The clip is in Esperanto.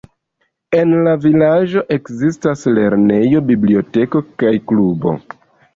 En la vilaĝo ekzistas lernejo, biblioteko kaj klubo.